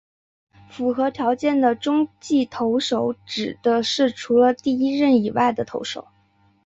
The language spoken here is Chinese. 符合条件的中继投手指的是除了第一任以外的投手。